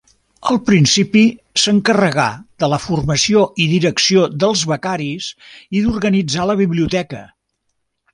Al principi s'encarregà de la formació i direcció dels becaris i d'organitzar la biblioteca.